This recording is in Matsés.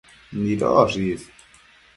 nidosh is